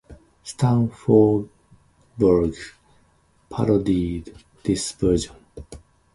Stan Freberg parodied this version.